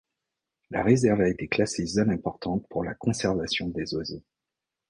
La réserve a été classée zone importante pour la conservation des oiseaux.